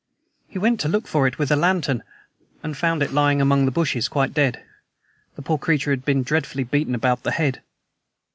He went to look for it with a lantern, and found it lying among the bushes, quite dead. The poor creature had been dreadfully beaten about the head."